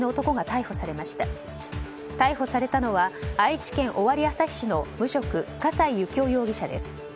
逮捕されたのは愛知県尾張旭市の無職・笠井幸夫容疑者です。